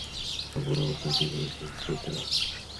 আমরাও তাকে নিয়ে চিন্তিত।